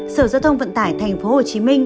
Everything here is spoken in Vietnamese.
sở giao thông vận tải tp hcm